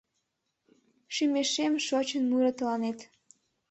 Шӱмешем шочын муро тыланет.